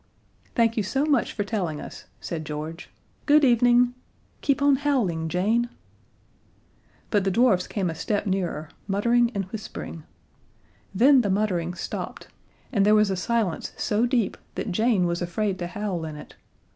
"Thank you so much for telling us," said George. "Good evening. (Keep on howling, Jane!)" But the dwarfs came a step nearer, muttering and whispering. Then the muttering stopped and there was a silence so deep that Jane was afraid to howl in it.